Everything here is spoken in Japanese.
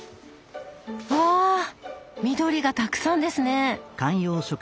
わ緑がたくさんですね！